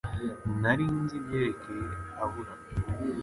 Nari nzi ibyerekeye Abura